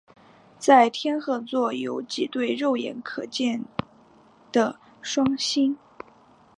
在天鹤座有几对肉眼可以看见的双星。